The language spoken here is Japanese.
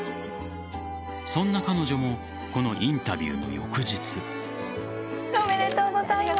そんな彼女もこのインタビューの翌日。